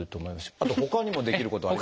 あとほかにもできることはありますか？